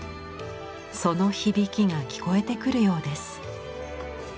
その響きが聞こえてくるようです。